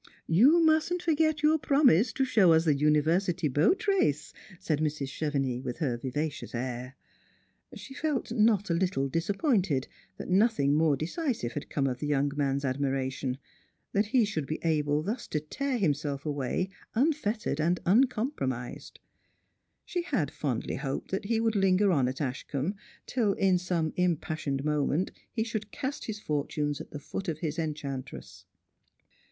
"You mustn't forget your promise to show us the university boat race," said Mrs. Chevenix with her vivacious air. She felt not a little disappointed that nothing more decisive liad come of the young man's admiration ; that he should be able thus to tear himself away unfettered and uncompromised. She had fondly hoped that he would linger on at Ashcombe till in some impassioned moment he should cast his fortunes at the feet of his enchantress.